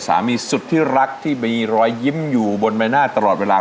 สุดที่รักที่มีรอยยิ้มอยู่บนใบหน้าตลอดเวลา